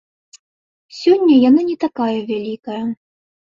Сёння яна не такая вялікая.